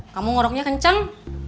kamu ngoroknya kenceng